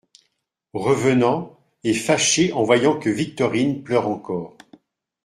Revenant, et fâché en voyant que Victorine pleure encore.